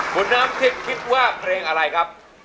คุณน้ำทิพย์คิดว่าเพลงอะไรครับ